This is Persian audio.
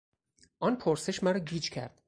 آن پرسش مرا گیج کرد.